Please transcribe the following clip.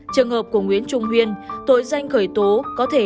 trường hợp của nguyễn trung huyên tội danh khởi tố có thể